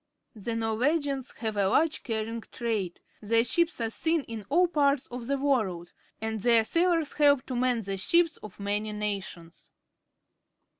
The Norwegians have a large carrying trade. Their ships are seen in all parts of the world, and their sailors help to man the ships of many nations.